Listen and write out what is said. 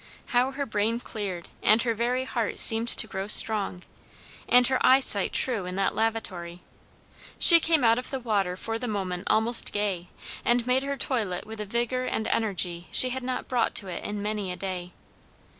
How her brain cleared, and her very heart seemed to grow strong, and her eyesight true in that lavatory! She came out of the water for the moment almost gay, and made her toilette with a vigour and energy she had not brought to it in many a day.